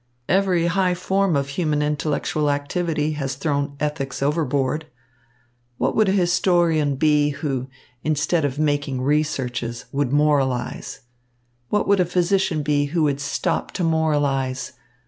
Every high form of human intellectual activity has thrown ethics overboard. What would a historian be who, instead of making researches, would moralise? What would a physician be who would stop to moralise?